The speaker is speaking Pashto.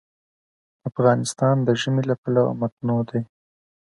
افغانستان د ژمی له پلوه متنوع دی.